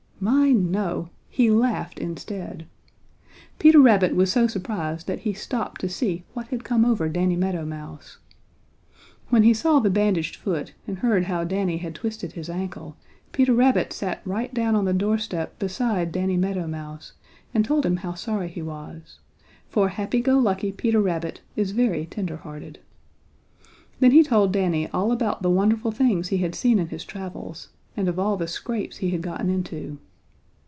My, no! He laughed instead. Peter Rabbit was so surprised that he stopped to see what had come over Danny Meadow Mouse. When he saw the bandaged foot and heard how Danny had twisted his ankle Peter Rabbit sat right down on the doorstep beside Danny Meadow Mouse and told him how sorry he was, for happy go lucky Peter Rabbit is very tender hearted. Then he told Danny all about the wonderful things he had seen in his travels, and of all the scrapes he had gotten into.